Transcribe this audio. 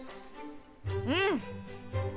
うん！